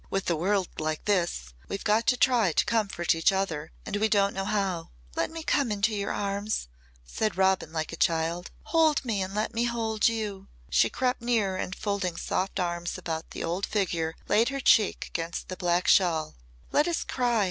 "With the world like this we've got to try to comfort each other and we don't know how." "Let me come into your arms," said Robin like a child. "Hold me and let me hold you." She crept near and folding soft arms about the old figure laid her cheek against the black shawl. "Let us cry.